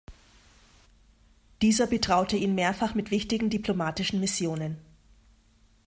Dieser betraute ihn mehrfach mit wichtigen diplomatischen Missionen.